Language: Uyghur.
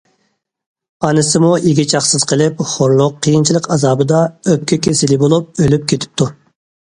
ئانىسىمۇ ئىگە- چاقىسىز قېلىپ، خورلۇق، قىيىنچىلىق ئازابىدا ئۆپكە كېسىلى بولۇپ ئۆلۈپ كېتىپتۇ.